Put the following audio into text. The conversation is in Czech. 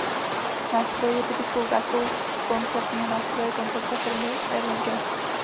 Nástroj je typickou ukázkou koncertního nástroje koncepce firmy Rieger.